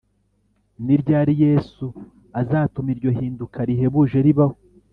ni ryari yesu azatuma iryo hinduka rihebuje ribaho